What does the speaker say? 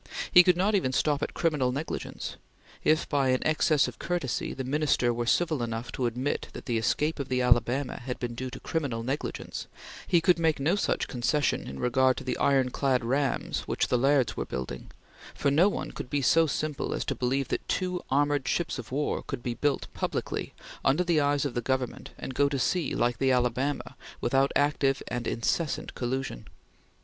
He could not even stop at criminal negligence. If, by an access of courtesy, the Minister were civil enough to admit that the escape of the Alabama had been due to criminal negligence, he could make no such concession in regard to the ironclad rams which the Lairds were building; for no one could be so simple as to believe that two armored ships of war could be built publicly, under the eyes of the Government, and go to sea like the Alabama, without active and incessant collusion.